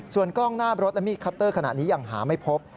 ส่วนกล้องหน้ารถและมีดคัตเตอร์ขณะนี้ยังหาไม่พบ